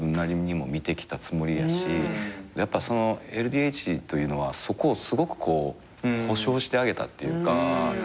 ＬＤＨというのはそこをすごく保障してあげたっていうか。